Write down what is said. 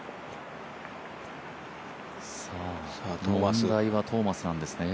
問題はトーマスなんですね。